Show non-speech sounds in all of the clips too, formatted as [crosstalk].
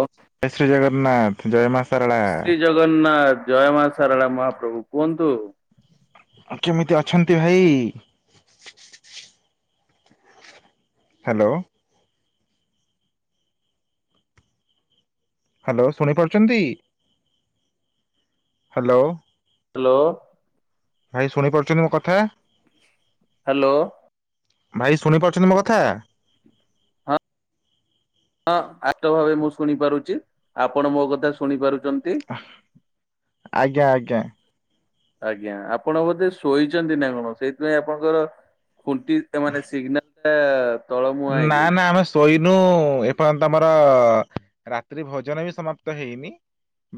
ଓ ଜୟ ଶ୍ରୀ ଜଗନ୍ନାଥ ଜୟ ମା ସାରଳା। ଶ୍ରୀ ଜଗନ୍ନାଥ ଜୟ ମା ସାରଳା ମହାପ୍ରଭୁ କୁହନ୍ତୁ। କେମିତି ଅଛନ୍ତି ଭାଇ। ହ୍ୟାଲୋ। ହ୍ୟାଲୋ ଶୁଣିପାରୁଛନ୍ତି ହ୍ୟାଲୋ। ହ୍ୟାଲୋ। ଭାଇ ଶୁଣି ପାରୁଛନ୍ତି ମୋ କଥା। ହ୍ୟାଲୋ। ଭାଇ ଶୁଣିପାରୁଛନ୍ତି ମୋ କଥା। ହଁ ହଁ ଆଷ୍ଟ ଭାବେ ମୁଁ ଶୁଣିପାରୁଛି ଆପଣ ମୋ କଥା ଶୁଣି ପାରୁଛନ୍ତି। ଆଜ୍ଞା ଆଜ୍ଞା। ଆଜ୍ଞା ଆପଣ ବୋଧେ ଶୋଇଛନ୍ତି ନା କଣ ସେଇଥିପାଇଁ ଆପଣଙ୍କର। ଖୁଣ୍ଟି ମାନେ ସିଗ୍ନାଲ। ତଳ ମୁହାଁ ନା ହେଇଯାଇଛି ନା ଆମେସ୍ ଶୋଇନୁ ଏପର୍ଯ୍ୟନ୍ତ ଆମର ରାତ୍ରି ଭୋଜନ ବି ସମାପ୍ତ ହେଇନି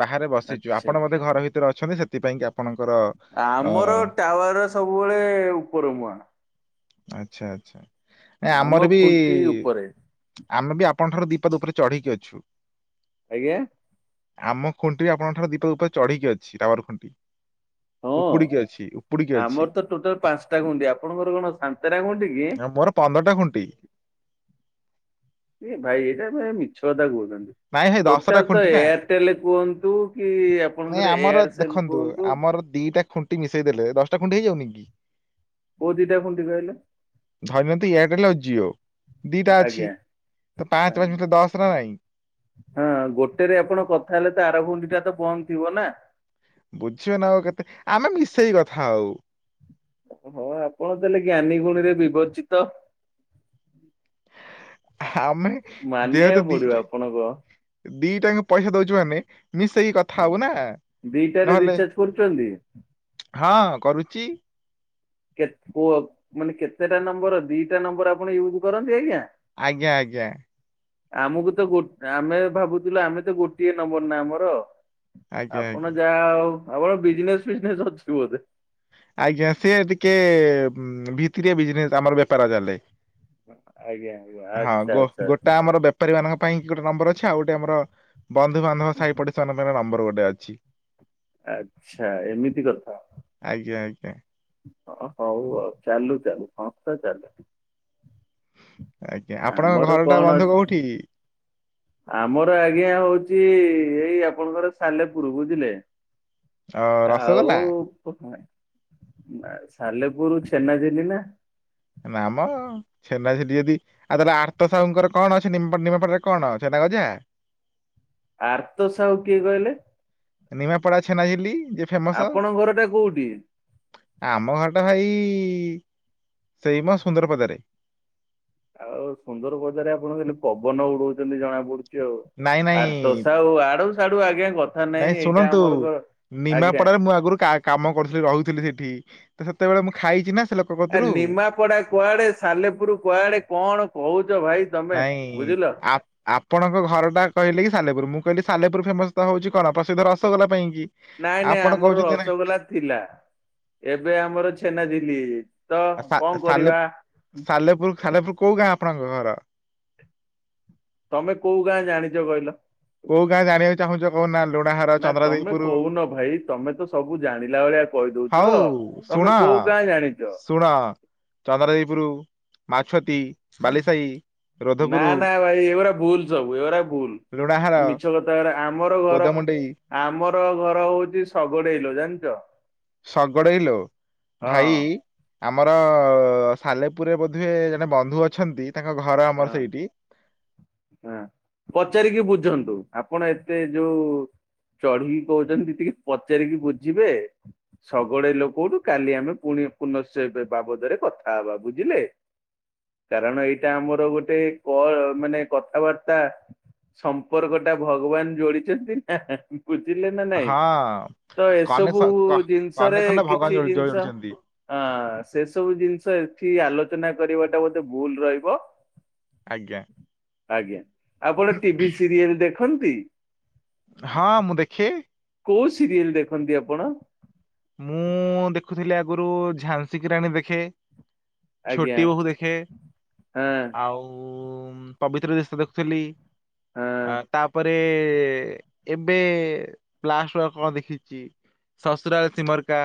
ବାହାରେ ବସିଛୁ। ଆଚ୍ଛା। ଆପଣ ବୋଧେ ଘର ଭିତରେ ଅଛନ୍ତି। ସେଥିପାଇଁ କି ଆପଣଙ୍କର ଅ ତାୱା ରସ୍ ସବୁବେଳେ ଉପର ମୁହାଁ। ଆଚ୍ଛା ଆଚ୍ଛା। ଏ ଆମ ଆମର ବି‌ ଖୁଣ୍ଟି ଉପରେ। ଆମେ ବି ଆପଣ ଠାରୁ ଦୀପାଦ ଉପରେ ଚଢ଼ିକି ଅଛୁ। ଆଜ୍ଞା। ଆମ ଖୁଣ୍ଟିରି ଆପଣଙ୍କଠାରୁ ଦୀପାଦ ଉପରେ ଚଢିକି ଅଛି, ଟାୱାର ଖୁଣ୍ଟି। ହଁ ଉପୁଡିିକି ଅଛି ଉପୁଡିିକି ଆମର ଅଛି। ତ ଟୋଟାଲି ପାଞ୍ଚ ଟା ଖୁଣ୍ଟି। ଆପଣଙ୍କର କଣ ସନ୍ତେରା ଖୁଣ୍ଟି? କି? ଏ ମୋର ପନ୍ଦରଟା ଖୁଣ୍ଟି। ଏ ଭାଇ ଏଇଟା ସେ ମିଛ କଥା କହୁଛନ୍ତି। ନାଇଁ ଭାଇ ଦଶଟା ଟୋଟାଲ୍ ତ ଖୁଣ୍ଟି ନା। ଏୟାରଟେଲ୍ କୁହନ୍ତୁ କି ନାଇଁ ଆପଣଙ୍କର ଆମର ଏୟାରସେଲ୍ ଦେଖନ୍ତୁ କୁହନ୍ତୁ ଆମର ଦିଟା ଖୁଣ୍ଟି ମିଶେଇ ଦେଲେ ଦଶଟା ଖୁଣ୍ଟି ହେଇଯାଉନି କି? କୋଉ ଦିଟା ଖୁଣ୍ଟି କହିଲେ? ଧରିନିଅନ୍ତୁ ଏୟାରଟେଲ୍ ଆଉ ଜିଓ ଦିଇଟା ଅଛି, ଆଜ୍ଞା ତ ପାଞ୍ଚେ, ପାଞ୍ଚେ ମିିସେଇଲେ ଦଶ ନା ନାଇଁ? ହଁ ଗୋଟେରେ ଆପଣ କଥା ହେଲେ ତ, ଆର ଖୁଣ୍ଟି ଟା ତ ବନ୍ଦ ଥିବ ନା? ବୁଝିବ ନା ଆଉ କେତେ, ଆମେ ମିସେଇ କଥା ହୋଉ। ଓହୋ, ଆପଣ ତାହେଲେ ଜ୍ଞାନୀ ଗୁଣୀରେ ବିବର୍ଚିତ। ଆମେ ମାନିବାକୁ ଦେହେତ ପଡିବ ଦିଟା, ଆପଣଙ୍କ ଦିଟାଙ୍କ ପଇସା ଦଉଛୁ ମାନେ ମିଶେଇକି କଥା ହବୁ ନା ଦିଟାରେ ନହେଲେ, ରିଚାର୍ଜ କରୁଛନ୍ତି ହଁ କରୁଛି। କେତ୍ କୁହ, ମାନେ କେତେଟା ନମ୍ବର ଦିଟା ନମ୍ବର ଆପଣ ୟୁଜ୍ କରନ୍ତି ଆଜ୍ଞା? ଆଜ୍ଞା ଆଜ୍ଞା। ଆମକୁ ତ ଗୋ-ଆମେ ଭାବୁଥିଲୁ ଆମେ ତ ଗୋଟିଏ ନମ୍ବର ନା ଆମର। ଆଜ୍ଞା ଆପଣ ଆଜ୍ଞା। ଯାହା ଆଉ, ଆପଣ ବିଜିନେସ୍ ଫିଜିନେସ୍ ଅଛି ବୋଧେ? ଆଜ୍ଞା ସେ ଟିକେ ଭିତିରିଆ ବିଜିନେସ୍, ଆମର ବେପାର ଚାଲେ। ଆଜ୍ଞା ଆଜ୍ଞା ହଁ ଆଚ୍ଛା ଆଚ୍ଛା ଗୋ- ଗୋଟା ଆଚ୍ଛା ଆମର ବେ ପାରୀ ମାନଙ୍କ ପାଇଁ ଗୋଟେ ନମ୍ବର ଅଛି। ଆଉ ଗୋଟେ ଆମର ବନ୍ଧୁ ବାନ୍ଧବ, ସାହି ପଡିଶା ମାନଙ୍କ ପାଇଁ ନମ୍ବର ଗୋଟେ ଅଛି। ଆଛା ଏମିତି କଥା। ଆଜ୍ଞା ଆଜ୍ଞା। ଅ ହୋଉ ଆଉ। ଚାଲୁ ଚାଲୁ ସଂସ୍ଥା ଚାଲୁ। ଆଜ୍ଞା। ଆପଣଙ୍କ ଆମର ଘରଟା କଣ ବନ୍ଧୁ ଅଛି କୋଉଠି? ଆମର ଆଜ୍ଞା ହୋଉଛି, ଏଇ ଆପଣଙ୍କର ସାଲେପୁର ବୁଝିଲେ। ଅ ରସଗୋଲା? ଆଉ କ ଅ ସାଲେପୁର୍ ଛେନା ଝିଲି ନା? ନା ମ। ଛେନା ଝିଲି ଯଦି, ଆଉ ତାହେଲେ ଆର୍ତ ସାହୁଙ୍କର କଣ ଅଛି ନିମ୍-ନିମାପଡ଼ା ରେ କଣ ଛେନାଗଜା? ଆର୍ତ ସାହୁ କିଏ କହିଲେ? ନିମାପଡା ଛେନାଝୀଲି ଯେ ଫେମସ ଆପଣଙ୍କ ଘରଟା କୋଉଠି? ଆମ ଘର ଟା ଭାଇ ସେଇ ମ ସୁନ୍ଦରପଦାରେ। ଆଉ ସୁନ୍ଦର ପଦାରେ ଆପଣ ଖାଲି ପବନ ଉଡଉଛନ୍ତି ଜଣା ପଡୁଛି। ଯୋଉ ନାଇଁ ନାଇଁ ଆର୍ତ ସାହୁ, ଆଡୁ ସାଡୁ ଆଜ୍ଞା ଗ ନାଇଁ ଶୁଣନ୍ତୁ, ନିମାପଡାରେ ମୁଁ ଆଗରୁ କା କାମ କରୁଥିଲି ରହୁଥିଲି ସେଠି। ତ ସେତେବେଳେ ମୁଁ ଖାଇଛି ନା ସେ ଲୋକ ଆ କତୁରୁ ନିମାପଡା କୁଆଡେ, ସାଲେପୁର କୁଆଡେ କଣ କହୁଛ ଭାଇ। ତମେ ନାଇଁ ବୁଝିଲ। ଆ ଆପଣଙ୍କ ଘର ଟା କହିଲେ କି ସାଲେପୁର। ମୁଁ କହିଲି ସାଲେପୁର ଫେମସ୍ ତ ହଉଛି କଣ ପ୍ରସିଦ୍ଧ ରସଗୋଲା ପାଇଁ କି। ନାଇଁ ନାଇଁ ଆପଣ ଆମର କହୁଛନ୍ତି ନା ରସଗୋଲା ଥିଲା ଏବେ ଆମର ଛେନା ଝୀଲି ହେଇଯାଇଚି। ଆ ସା ସାଲେ ସାଲେପୁର ସାଲେପୁର କୋଉ ଗାଁ ଆପଣଙ୍କ ଘର। ତମେ କୋଉ ଗାଁ ଜାଣିଛ କହିଲ? କୋଉ ଗାଁ ଜାଣି ନା ତମେ କହୁନ ଭାଇ ତମେ ତ ସବୁ ଜାଣିଲା ଭଳିଆ କହିଦଉଛ। ହଉ ଶୁଣ ତମେ କୋଉ ଗାଁ ଜାଣିଛ। ଶୁଣ ଚନ୍ଦ୍ରଦେଇପୁର ମାଛତୀ ବାଲିସାହି ନା ରୋଧପୁର ନା ଭାଇ ଏଉରା ଭୁଲ ସବୁ ଏଉରା ଭୁଲ। ଲୁଣାହାର ମିଛ କଥା ଉରା ଆମର ଘର ବୋଦମୁଣ୍ଡେଇ ଆମର ଘର ହଉଛି ଶଗଡେଇଲୋ ଜାଣିଚ। ଶଗଡ଼େଇଲୋ ଭାଇ। ଆମର ସାଲେପୁରରେ ବୋଧେ ଜଣେ ବନ୍ଧୁ ଅଛନ୍ତି, ତାଙ୍କ ଘର ହଁ ଆମର ସେଇଠି। ହଁ ପଚାରିକି ବୁଝନ୍ତୁ, ଆପଣ ଏତେ ଯୋଉ ଚଢିକି କହୁଛନ୍ତି ଟିକେ ପଚାରିକି ବୁଝିବେ। ଶଗଡେଇଲୋ କୋଉଠୁ କାଲି ଆମେ ପୁଣି ପୁନଶ୍ଚ ଏ ବାବଦରେ କଥା ହବା ବୁଝିଲେ। କାରଣ ଏଇଟା ଆମର ଗୋଟେ କ ମାନେ କଥାବାର୍ତ୍ତା ସମ୍ପର୍କ ଟା ଭଗବାନ ଯୋଡିଛନ୍ତି ନା ବୁଝିଲେ ନା ନାଇଁ, ହଁ ତ ଏସବୁ କନେକ୍ସନ ଜିନିଷରେ କନେକ୍ସନ ଟା ଭଗବାନ କିଛି ଯୋଡି- ଜିନିଷ ଯୋଡିଛନ୍ତି ହଁ ସେ ସବୁ ଜିନିଷ ଏଠି ଆଲୋଚନା କରିବା ଟା ବୋଧେ ଭୁଲ ରହିବ। ଆଜ୍ଞା। ଆଜ୍ଞା ଆପଣ ଟିଭି ସିରିଏଲ ଦେଖନ୍ତି। ହଁ ମୁଁ ଦେଖେ। କୋଉ ସିରିଏଲ ଦେଖନ୍ତି ଆପଣ। ମୁଁ ଦେଖୁଥିଲି ଆଗରୁ ଝାନ୍ସୀ କିରାଣୀ ଦେଖେ। ଆଜ୍ଞା ଛୋଟି ବୋହୁ ଦେଖେ ହଁ ଆଉ ଓ ମ୍ ପବିତ୍ର ରିସ୍ତା ଦେଖୁଥିଲି ହଁ ତାପରେ ଏବେ ପ୍ଲାଷ୍ଟ ୱର୍କ କଣ ଦେଖିଛି। ସୁର ସିମରକା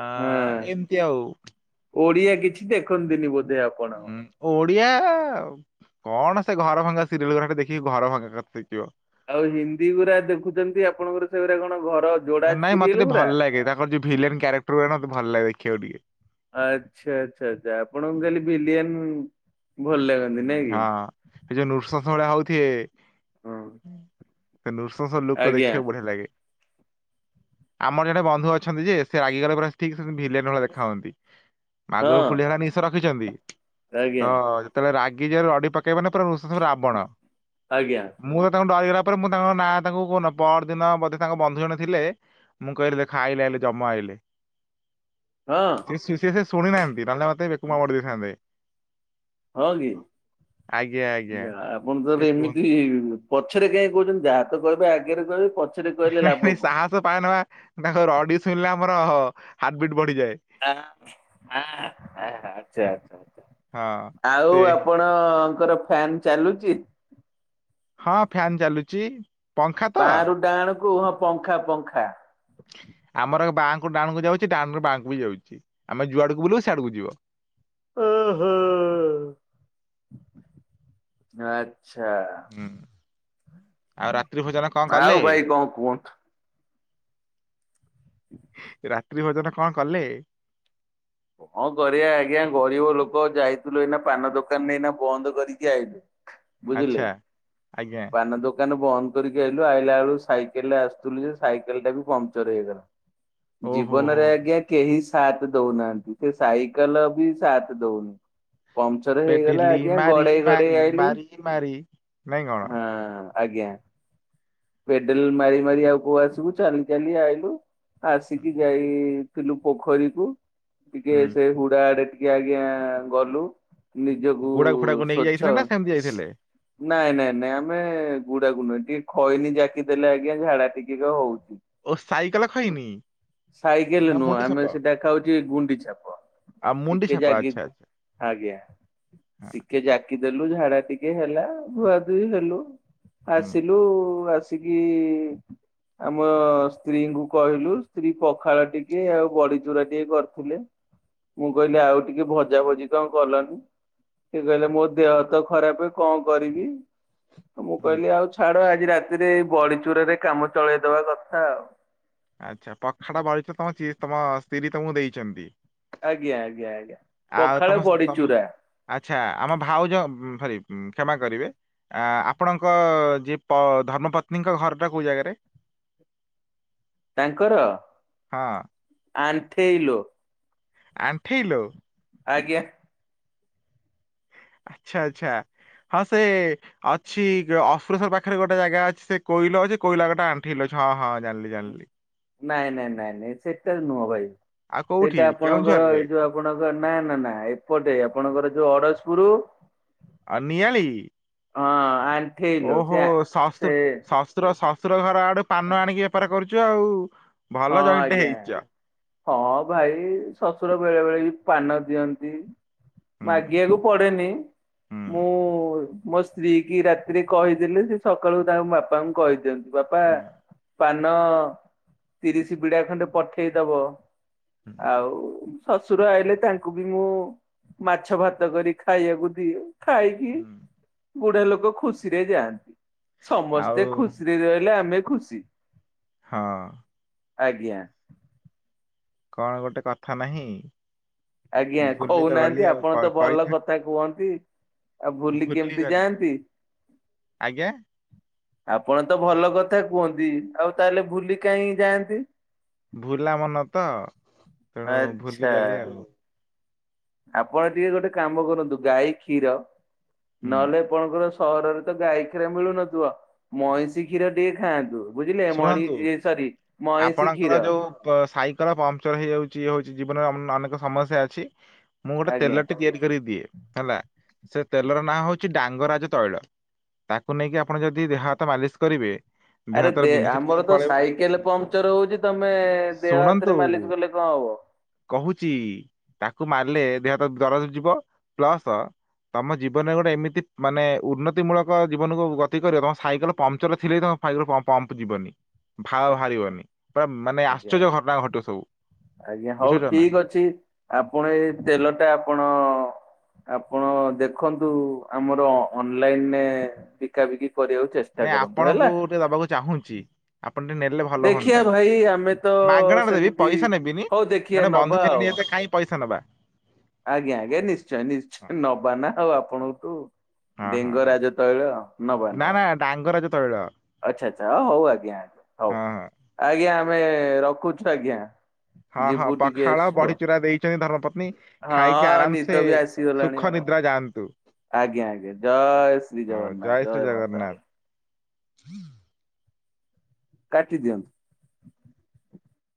ଆ ହଁ ଏମିତି ଆଉ। ଓଡିଆ କିଛି ଦେଖନ୍ତିନି ବୋଧେ ଆ ଓଡିଆ କଣ ସେ ଘର ଭଙ୍ଗା ସିରିଏଲ ଗୋଡାକ ଦେଖିକି ଘର ଭଙ୍ଗା କଥା ଶିଖିବ। ଆଉ ହିନ୍ଦୀ ଗୁରା ଦେଖୁଛନ୍ତି ଆପଣଙ୍କର ସେଗୁର କଣ ଘର ଯୋଡା ନାଇଁ ମତେ ସିରିଏଲ ଟିକେ ଗୁରା? ଭଲ ଲାଗ ତାଙ୍କର ଜଉ ଭିଲେନ କ୍ୟାରେଟର ଗୁର ମତେ ଭଲ ଲାଗେ ଦେଖିବାକୁ ଟିକେ। ଆଛା ଆଛା ଆଛା ଆପଣଙ୍କୁ ହୁଁ କାଲି ବିଲିୟନ ଭଲ ଲାଗନ୍ତି ନାଇଁ କି। ଏ ଯୋଉ ନୃସସ ଭଳିଆ ହଉଥିବେ ହଁ ସେ ନୃସଂସର ଲୁକ୍ ଟା ଆଜ୍ଞା ଦେଖିବାକୁ ବଢିଆ ଲାଗେ। ଆମର ଜଣେ ବନ୍ଧୁ ଅଛନ୍ତି ଯେ ସେ ରାଗିଗଲେ ପୁରା ଠିକ ସେ ଭିଲିୟାନ ଭଳିଆ ଦେଖାହନ୍ତି। ହଁ ମାଗୁର ଫୁଲିଖା ନିଷ ରଖିଛନ୍ତି ଆଜ୍ଞା ତ ତାହେଲେ ରାଗି ଯିବେ ରଡି ପକେଇବ ନା ପୁରା ରୋଷସ ରାବଣ। ଆଜ୍ଞା। ମୁଁ ତ ତାଙ୍କୁ ଡରିଗଲା ପରେ ମୁଁ ତାଙ୍କ ନାଁ ତାଙ୍କୁ କହୁନ ପରଦିନ ବୋଧେ ତାଙ୍କ ବନ୍ଧୁ ଜଣ ଥିଲେ। ମୁଁ କହିଲି ଆଇଲେ ଆଇଲେ ଜମ ଆଇଲେ। ହଁ। ସେ ଶୁଣିନାହାନ୍ତି ନହେଲେ ମତେ ବେକୁମା ମୋଡି ଦେଇଥାନ୍ତେ। ହଁ କି ଆଜ୍ଞା ଆଜ୍ଞା ଯା ଆପଣ ସେ ତଳେ କୁହନ୍ତୁ। ଏମିତି ପଛରେ କାଇ କହୁଛନ୍ତି ଯାହା ତ କହିବେ ଆଗରେ କହିବେ ପଛ ନାଇଁ ନାଇଁ ସାହସ ପାଏନାବା ତାଙ୍କ ରଡି ଶୁଣିଲେ ଆମର ହାର୍ଟ ବିଟ୍ ବଢିଯାଏ। ଆ ଆ ଆହା ଆଛା ଆଛା ହଁ ଆଉ ସେ ଆପଣ କଣଙ୍କର ଫ୍ୟାନ୍ ଚାଲୁଛି। ହଁ ଫ୍ୟାନ ଚାଲୁଛି। ପଙ୍ଖା ତ ବାଁ ର ଡାହାଣ କୁ ହଁ ପଙ୍ଖା ପଙ୍ଖା। ଆମର ବାଆଁକୁ ଡାଣକୁ ଯାଉଛି ଡାଣରୁ ବାଁକୁ ବି ଯାଉଛି ଆମେ ଯୁଆଡକୁ ବୁଲେବୁ ସିଆଡକୁ ଯିବ। ଓ ହୋଁ। ଆଛା ହୁଁ ଆଉ ରାତ୍ରି ଭୋଜନ କଣ କଲେ ଆଉ ଭାଇ କଣ କୁହନ୍ତୁ? ରାତ୍ରୀ ଭୋଜନ କଣ କଲେ? କଣ କରିବା ଆଜ୍ଞା ଗରିବ ଲୋକ ଯାଇଥିଲୁ ଏଇନା ପାନ ଦୋକାନ ଏଇନା ବନ୍ଦ କରିକି ଆଇଲୁ। ବୁଝିଲେ ଆଚ୍ଛା ଆଜ୍ଞା ପାନ ଦୋକ ଦୋକାନ ବନ୍ଦ କରିକି ଆଇଲୁ ଆଇଲା ବେଳୁ ସାଇକେଲରେ ଆସୁଥିଲୁ ଯେ ସାଇକେଲ ଟା ବି ପମ୍ଚର ହେଇଗଲା। ଓହୋ ହୋ ଜୀବନରେ ହୋ। ଆଜ୍ଞା କେହି ସାଥ ଦଉନାହାନ୍ତି ସେ ସାଇକେଲ ବି ସାଥ ଦଉନି। ପମ୍ପଚର ହେଇଗଲା ପେଡିଲି ଆଜ୍ଞା ମାରି ଗଡେଇ ମାରି ଗଡେଇ ଆଇଲି ମାରି ମାରି ନାଇଁ କଣ ହଁ। ଆଜ୍ଞା ପେଡେଲ ମାରି ମାରି ଆଉ କଉ ଆସିବୁ ଚାଲି ଚାଲି ଆଇଲୁ। ଆସିକି ଯାଇଥିଲୁ ପୋଖରୀକୁ। ଟିକେ ହୁଁ ସେ ହୁଡା ଆଡେ ଟିକେ ଆଜ୍ଞା ଗଲୁ। ନିଜକୁ ଗୁଡାକ ଫୁଡାକୁ ନେଇକି ଯାଇଥିଲେ ସ୍ୱଚ୍ଛ। ନା ସେମିତି ଯାଇଥିଲେ ନାଇଁ ନାଇଁ ନାଇଁ ଆମେ ଗୁଡାକୁ ନୁହେଁ ଟିକେ ଖଇନି ଜାକି ଦେଲେ ଆଜ୍ଞା ଝାଡା ଟିକିକ ହଉଛି। ଓ ସାଇକେଲ ଖଇନି ସାଇକେଲ ନା ନୁହଁ ମୁଣ୍ଡି ଆମେ ସପ ସେଟା ଖାଉଛୁ ଗୁଣ୍ଡି ଛାପ ଆଉ ମୁଣ୍ଡି ଟିକେ ଛାପା ଜାଗି ଆଚ୍ଛା ଆଚ୍ଛା ଆଜ୍ଞା ହଁ ଟିକେ ଜାକିଦଲୁ ଝାଡା ଟିକେ ହେଲା ଧୁଆ ଧୁଇ ହେଲୁ। ହୁଁ ଆସିଲୁ ଆସିକି ଆମ ସ୍ତ୍ରୀଙ୍କୁ କହିଲୁ ସ୍ତ୍ରୀ ପଖାଳ ଟିକେ ଆଉ ବଡ଼ିଚୁରା ଟିକେ ଟେ କରିଥିଲେ ମୁଁ କହିଲି ଆଉ ଟିକେ ଭଜା ଭଜି କଣ କଲନି? ସେ କହିଲେ ମୋ ଦେହ ତ ଖରାପ କଣ କରିବି। ମୁଁ ହୁଁ କହିଲି ଆଉ ଛାଡ ଆଜି ରାତିରେ ଏ ବଡିଚୁରାରେ କାମ ଚଳେଇଦବା କଥା ଆଉ। ଆଛା ପଖାଳ ବଡିଚ ତମ ତମ ସ୍ତ୍ରୀ ତମକୁ ଦେଇଛନ୍ତି। ଆଜ୍ଞା ଆଜ୍ଞା ଆଜ୍ଞା ପଖାଳ ପଡିଚୁରା। ଆଛା ଆମ ଭାଉଜ ସରି କ୍ଷମା କରିବେ। ଆ ଆପଣଙ୍କ ଯିଏ ଧର୍ମପତ୍ନୀଙ୍କ ଘର ଟା କଉ ଜାଗାରେ? ତାଙ୍କର ହଁ। ଅଣ୍ଠେଇଲୋ ଆଣ୍ଠେଇଲୋ ଆଜ୍ଞା ଆଛା ଆଛା ହିଁ ସେ ଅଛି ଅଫ୍ରେଶର ପାଖରେ ଗୋଟେ ଜାଗା ଅଛି ସେ କୋଇଲ ଅଛି କୋଇଲା ଗୋଟେ ଆଣ୍ଠେଇଲ ଅଛି ହଁ ହଁ ଜାଣିଲି ଜାଣିଲି। ନାଇଁ ନାଇଁ ନାଇଁ ନାଇଁ ସେଟା ନୁହଁ ଭାଇ ଆଉ କୋଉଠି ସେଇଟା ଆପଣଙ୍କର କେଉଁଝରରେ ଏଇ ଯୋଉ ଆପଣଙ୍କ ନା ନା ନା ଏପଟେ ଆପଣଙ୍କର ଯୋଉ ଅଡଶପୁର [unintelligible] ଆ ନିଆଳି ହଁ ଆ ଆଣ୍ଠେଇଲୋ ସେ ଓହୋ ଶଶୁର ସେ ଶ୍ୱଶୁର ଶ୍ୱଶୁର ଘର ଆଡେ ପାନ ଆଣିକି ବେପାର କରୁଛୁ ଆଉ ହଁ ଭଲ ଜଏଣ୍ଟ ଆଜ୍ଞା ହେଇଚ। ହଁ ଭାଇ ଶଶୁର ବେଳେ ବେଳେ ବି ପାନ ଦିଅନ୍ତି। ହୁଁ ମାଗିବାକୁ ପଡେନି। ହୁଁ ମୁଁ ମୋ ସ୍ତ୍ରୀକି ରାତିରେ କହିଦେଲି ସେ ସକାଳୁ ତାଙ୍କ ବାପାଙ୍କୁ କହିଦିଅନ୍ତିୁ। ବାପା ହୁଁ ପାନ। ତିରିସି ବିଡା ଖଣ୍ଡେ ପଠେଇଦବ ହୁଁ ଆଉ ଶଶୁର ଆଇଲେ ତାଙ୍କୁ ବି ମୁଁ ମାଛ ଭାତ କରି ଖାଇବାକୁ ଦିଏ। ଖାଇକି ହୁଁ ବୁଢା ଲୋକ ଖୁସିରେ ଯାଆନ୍ତି। ଆଉ ସମସ୍ତେ ଖୁସିରେ ରହିଲେ ଆମେ ଖୁସି। ହଁ। ଆଜ୍ଞା। କଣ ଗୋଟେ କଥା ନାହିଁ? ଆଜ୍ଞା ଭୁଲି ତ ଗଲି କହୁନାହାନ୍ତି ଆଉ ଆପଣତ କ- ଭଲ କହିଥା କଥା କୁହନ୍ତି। ବୁଲିିକି ଭୁଲି ଏମିତି ଗଲି ଯାଆନ୍ତି। ଆଜ୍ଞା ଆପଣତ ଭଲକଥା କୁହନ୍ତି ଆଉ ତାହେଲେ ଭୁଲି କାହିଁ ଯାଆନ୍ତି? ଭୁଲା ମନ ତ। ତେଣୁ ଭୁଲି ଆଚ୍ଛା। ଗଲି ଆଉ। ଆପଣ ଟିକେ ଗୋଟେ କାମ କରନ୍ତୁ। ଗାଈ କ୍ଷୀର ହୁଁ ନହେଲେ ଆପଣଙ୍କର ସହରରେତ ଗାଈ କ୍ଷୀର ମିଳୁନଥିବ ମଇଁଷି କ୍ଷୀର ଟିକେ ଖାଆନ୍ତୁ। ବୁଝିଲେ ମାଣି ଶୁଣନ୍ତୁ ସରି ଆପଣଙ୍କର ମଇଶିଖିର। ଯୋଉ ସାଇକେଲ ପାମ୍ପଚର ହେଇଯାଉଛି ଇଏ ହଉଛି ଜୀବନରେ ଅନେକ ସମସ୍ୟା ଅଛି। ମୁଁ ଗୋଟେ ଆଜ୍ଞା। ତେଲଟି ତିଆରି କରିଦିଏ ହେଲା ସେ ତେଲର ନାଁ ହଉଛି ଡାଙ୍ଗରାଜ ତୈଳ। ତାକୁନେଇକି ଆପଣ ଯଦି ଦେହ ହାତ ମାଲିସ୍ କରିବେ। ଦେହ ଆରେ ହାତର ଦେ ବିନ୍ଧା ଛିଟିକି ଆମରତ ପଳେଇବ। ସାଇକେଲ ପମ୍ପଚର ହଉଛି ତମେ ଦେହ ଶୁଣନ୍ତୁ ହାତରେ ମାଲିସ୍ କଲେ କଣ ହବ। କହୁଛି ତାକୁ ମାରିଲେ ଦେହ ହାତ ଦରଜ ଯିବ ପ୍ଲସ୍ ତମ ଜୀବନରେ ଗୋଟେ ଏମିତି ମାନେ ଉନ୍ନତି ମୂଳକ ଜୀବନକୁ ଗତିକରିବ ତମ ସାଇକେଲ ପାମ୍ପଚରଥିଲେ ତମ ସାଇକଲରୁ ପମ୍ପ ଯିବନି ଦ୍ୱାଉଆ ବାହାରିବନି। ମାନେ ଆଜ୍ଞା ଆଜ୍ଞା। ଆଶ୍ଚର୍ଯ୍ୟ ଘଟଣା ଘଟିଟେ ସବୁ ଆଜ୍ଞା ହଉ ବୁଝଛନା? ଠିକ୍ ଅଛି ଆପଣ ଏଇ ତେଲ ଟା ଆପଣ ଆପଣ ଦେଖନ୍ତୁ ଆମର ଅନଲାଇନରେ ବିକାବିକି କରିବାକୁ ଚେ ଭାଇ ଆପଣଙ୍କୁ ଟିକେ ଦବାକୁ ଚାହୁଁଚି? ଆପଣ ଟିକେ ନେଲେ ଭଲ ଦେଖିବା ହୁଅନ୍ତା ଭାଇ ଆମେ ତ ମାଗଣାରେ ଦେବି ସେମିତି ପଇସା ନେବିନି ହଉ ଦେଖିବା ଜଣେ ନବା ବନ୍ଧୁ ଆଉ ହେଲେନି ତ ଖାଇ ପଇସା ନବା। ଆଜ୍ଞା ଆଜ୍ଞା ନିଶ୍ଚୟ ନିଶ୍ଚୟ ନବା ନା ଆଉ ଆପଣଙ୍କଠୁ। ହଁ ହଁ ହଁ। ଲିଙ୍ଗରାଜ ତୈଳ ନବା ନା ନବା। ନା ଡାଙ୍ଗରାଜ ତୈଳ ଆଛା ଆଚ୍ଛା ହଉ ହଉ ଆଜ୍ଞା ହଁ ହଉ। ହଁ ଆଜ୍ଞା ଆମେ ରଖୁଛୁ ଆଜ୍ଞା। ହଁ ହଁ ଯିବୁ ଟିକେ ପଖାଳ ଶୋ ବଡିଚୁରା ଦେଇଛନ୍ତି ଧର୍ମପତ୍ନୀ। ହଁ ଖାଇକି ଆରାମସେ ନିଦ ବି ଆସିଗଲାଣି ସୁଖ ଆଉ ନିଦ୍ରା ଯାଆନ୍ତୁ ଆଜ୍ଞା ଆଜ୍ଞା ଜୟ ଶ୍ରୀ ହଉ ଜଗନ୍ନାଥ ଜୟ ମା ତାରିଣୀ ହୁଁ କାଟି ଦିଅନ୍ତୁ